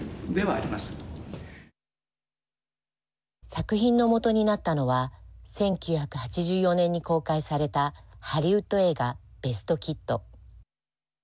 作品の元になったのは１９８４年に公開されたハリウッド映画ベスト・キッド。